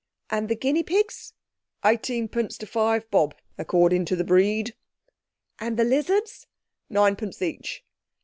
"And the guinea pigs?" "Eighteenpence to five bob, according to the breed." "And the lizards?" "Ninepence each."